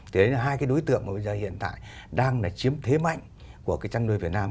thế là hai cái đối tượng mà bây giờ hiện tại đang là chiếm thế mạnh của cái chăn nuôi việt nam